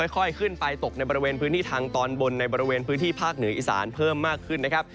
ค่อยขึ้นไปตกในบริเวณพื้นที่ทางตอนบนในบริเวณพื้นที่ภาคเหนืออีสานเพิ่มมากขึ้นนะครับ